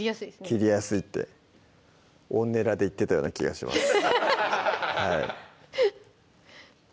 切りやすいってＯｎｎｅｌａで言ってたような気がします